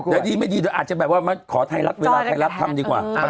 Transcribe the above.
แต่ดีไม่ดีอาจจะแบบว่าขอไทยรัฐเวลาไทยรัฐทำดีกว่า